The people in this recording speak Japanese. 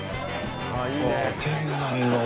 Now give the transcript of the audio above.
ああいいね。